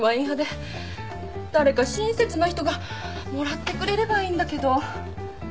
誰か親切な人がもらってくれればいいんだけど